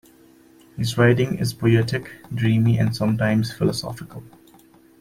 His writing is poetic, dreamy and sometimes philosophical.